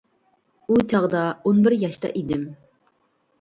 ئۇ چاغدا ئون بىر ياشتا ئىدىم.